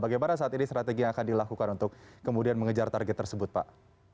bagaimana saat ini strategi yang akan dilakukan untuk kemudian mengejar target tersebut pak